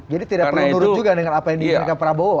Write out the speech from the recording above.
jadi tidak perlu menurut juga dengan apa yang diinginkan pak prabowo